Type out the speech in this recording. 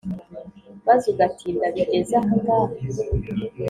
“Maze ugatinda bigeze aha ngaha”